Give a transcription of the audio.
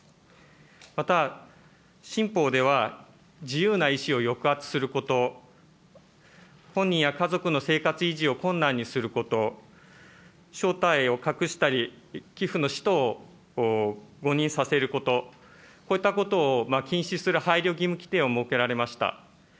また、新法では、自由な意思を抑圧すること、本人や家族の生活維持を困難にすること、正体を隠したり、寄付の使途を誤認させること、こういったことを禁止する配慮義務規定を設けられました。